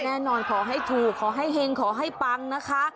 แน่นอนขอให้ถูกขอให้เห็งขอให้ปังนะคะ